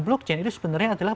blockchain itu sebenarnya adalah